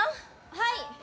・はい！